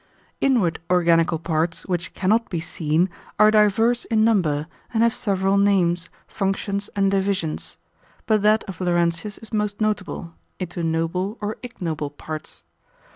Inward organical parts, which cannot be seen, are divers in number, and have several names, functions, and divisions; but that of Laurentius is most notable, into noble or ignoble parts.